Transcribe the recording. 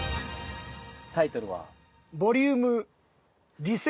タイトルは？